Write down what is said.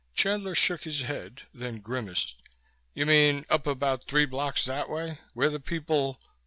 Chandler shook his head, then grimaced. "You mean up about three blocks that way? Where the people